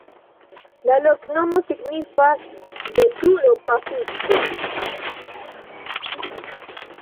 La loknomo signifas: betulo-pafisto.